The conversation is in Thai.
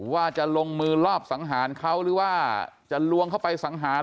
ว่าจะลงมือลอบสังหารเขาหรือว่าจะลวงเขาไปสังหาร